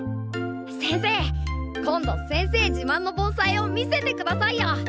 先生今度先生自まんの盆栽を見せてくださいよ。